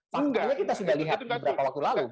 pak kita sudah lihat beberapa waktu lalu